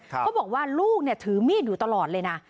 เขาบอกว่าลูกถือมีดอยู่ตลอดเลยนะ